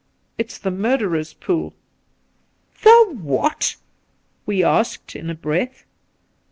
... It's the Murderer's Pool.' ' The what V we asked in a breath.